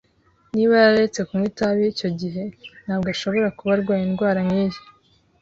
Niba yararetse kunywa itabi icyo gihe, ntabwo ashobora kuba arwaye indwara nkiyi.